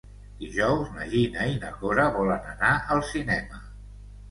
Dijous na Gina i na Cora volen anar al cinema.